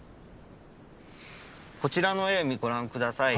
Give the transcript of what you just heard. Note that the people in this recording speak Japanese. こちらの絵ご覧下さい。